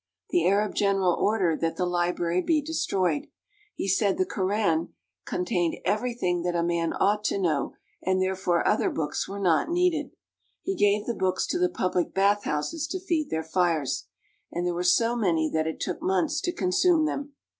The Arab general ordered that the library be destroyed. He said the Koran contained every thing that a man ought to know, and therefore other books were not needed. He gave the books to the public bath houses to feed their fires ; and there were so many that it took months to consume them.